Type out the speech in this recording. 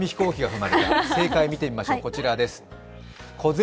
正解を見てみましょう、こちらです。